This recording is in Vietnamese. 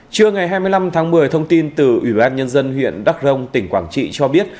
trưa ngày hai mươi năm tháng một mươi thông tin từ ủy ban nhân dân huyện đắk rông tỉnh quảng trị cho biết